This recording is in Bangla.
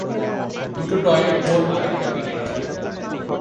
দুটো টয়লেট বোল আর একটা বিডেট।